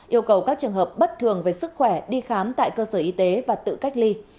yêu cầu các trường hợp bất thường về sức khỏe đi khám tại cơ sở y tế và tự cách ly